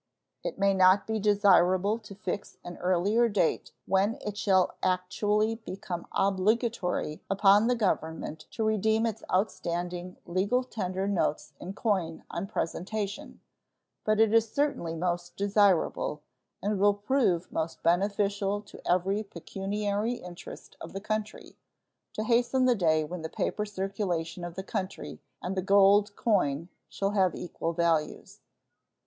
It may not be desirable to fix an earlier date when it shall actually become obligatory upon the Government to redeem its outstanding legal tender notes in coin on presentation, but it is certainly most desirable, and will prove most beneficial to every pecuniary interest of the country, to hasten the day when the paper circulation of the country and the gold coin shall have equal values.